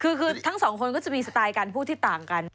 คือทั้งสองคนก็จะมีสไตล์การพูดที่ต่างกัน